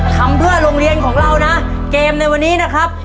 ทำเพื่อโรงเรียนของเรานะเกมในวันนี้นะครับ